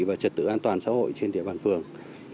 và trật tự an toàn xã hội trên địa bàn phường